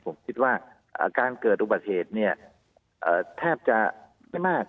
ผมคิดว่าการเกิดอุบัติเหตุเนี่ยแทบจะไม่มาก